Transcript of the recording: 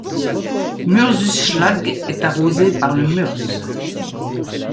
Mürzzuschlag est arrosée par le Mürz.